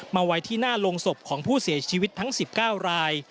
มาไว้ที่หน้าโรงศพของผู้เสียชีวิตทั้ง๑๙ราย